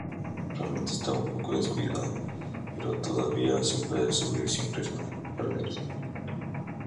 Actualmente está un poco descuidado, pero todavía se puede subir sin riesgo de perderse.